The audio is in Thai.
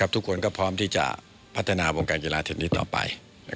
ทุกคนก็พร้อมที่จะพัฒนาวงการกีฬาเทนนี้ต่อไป